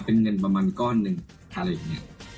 เป็นเงินประมาณก้อนหนึ่งอะไรอย่างนี้